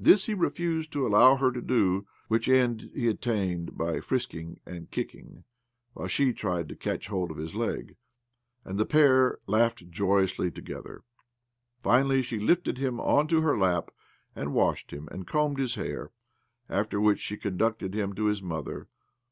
This he refused to allow her to do ; which end he attained by frisking and kicking, while she tried to catch hold of his leg, and the pair laughed joyously together. Finally, she lifted him on to her lap, and washed him, and combed his hair ; after which she conducted him to his mother.